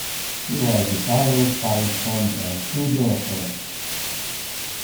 He was the father of five sons and two daughters.